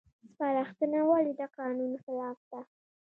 سپارښتنه ولې د قانون خلاف ده؟